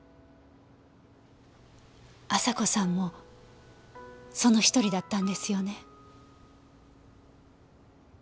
亜沙子さんもその１人だったんですよね。